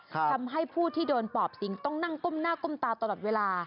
ทำให้ผู้ที่โดนปอบสิงต้องนั่งก้มหน้าก้มตาตลอดเวลา